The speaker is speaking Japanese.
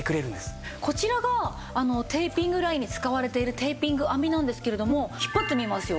こちらがテーピングラインに使われているテーピング編みなんですけれども引っ張ってみますよ。